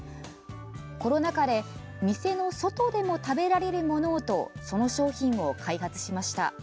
コロナ禍で店の外でも食べられるものをとその商品を開発しました。